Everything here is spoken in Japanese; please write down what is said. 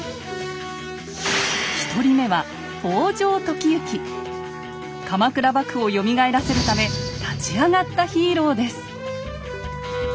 一人目は鎌倉幕府をよみがえらせるため立ち上がったヒーローです。